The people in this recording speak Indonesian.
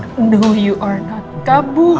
tidak kamu tidak apa apa